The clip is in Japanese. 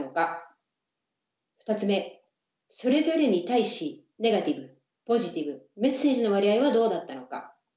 それぞれに対しネガティブポジティブメッセージの割合はどうだったのか？